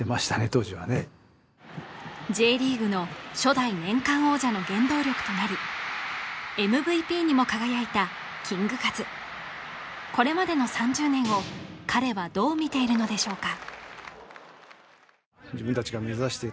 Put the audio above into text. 当時はねＪリーグの初代年間王者の原動力となりＭＶＰにも輝いたキングカズこれまでの３０年を彼はどう見ているのでしょうか？